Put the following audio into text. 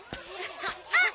あっ！